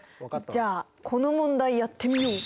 じゃあこの問題やってみよう。